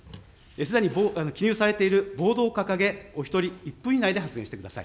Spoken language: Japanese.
すでに記入されているボードを掲げ、お１人１分以内で発言してください。